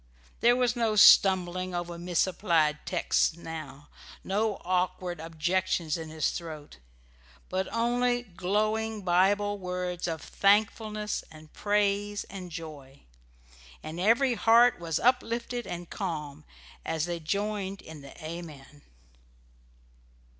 There was no stumbling over misapplied texts now, no awkward objections in his throat, but only glowing Bible words of thankfulness and praise and joy. And every heart was uplifted and calm as they joined in the "Amen."